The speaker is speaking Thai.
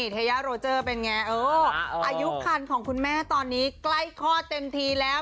เทยาโรเจอร์เป็นไงเอออายุคันของคุณแม่ตอนนี้ใกล้คลอดเต็มทีแล้ว